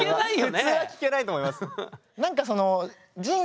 普通は聞けないと思います。